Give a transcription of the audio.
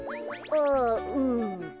ああうん。